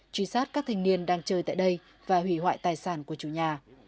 truy sát các thanh niên đang chơi tại đây và hủy hoại tài sản của chủ nhà